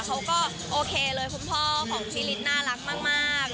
เขาก็โอเคเลยคุณพ่อของฟิลิสน่ารักมาก